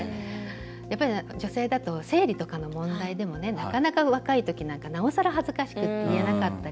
やっぱり女性だと生理とかの問題でもなかなか若いときなんかなおさら恥ずかしくて言えなかったり。